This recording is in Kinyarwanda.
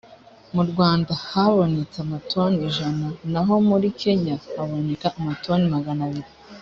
mu rwanda habonetse amatoni ijana naho muri kenya haboneka amatoni magana abiri